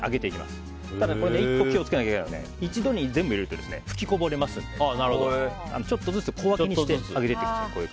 １個気をつけなきゃいけないのは一度に全部入れると吹きこぼれますのでちょっとずつ小分けにして入れていってください。